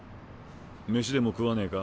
飯でも食わねぇか？